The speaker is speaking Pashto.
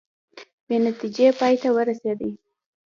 بې نتیجې پای ته ورسیدې